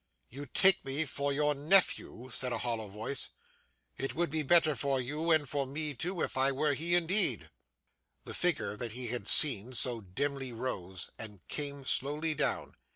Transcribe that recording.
'You take me for your nephew,' said a hollow voice; 'it would be better for you, and for me too, if I were he indeed.' The figure that he had seen so dimly, rose, and came slowly down.